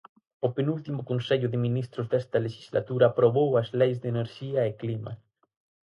O penúltimo Consello de Ministros desta lexislatura aprobou as leis de enerxía e clima.